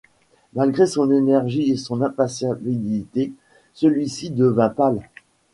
Malgré son énergie et son impassibilité, celui-ci devint pâle.